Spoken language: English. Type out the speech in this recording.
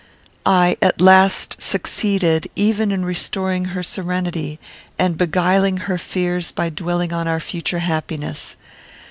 I, at last, succeeded, even in restoring her serenity, and beguiling her fears by dwelling on our future happiness.